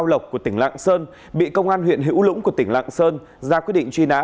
đối tượng cao lộc của tỉnh lạng sơn bị công an huyện hữu lũng của tỉnh lạng sơn ra quyết định truy nã